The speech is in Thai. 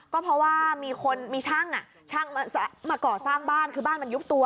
ก็เพราะว่ามีคนมีช่างมาก่อสร้างบ้านคือบ้านมันยุบตัว